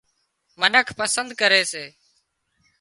منک پسند ڪري سي